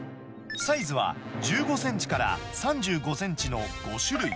サイズは１５センチから３５センチの５種類。